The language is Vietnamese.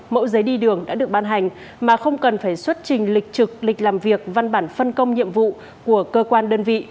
mẫu giấy đi đường đã được ban hành mà không cần phải xuất trình lịch trực lịch làm việc văn bản phân công nhiệm vụ của cơ quan đơn vị